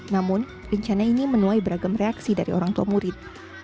namun rencana ini menuai beragam reaksi dari orang tua murid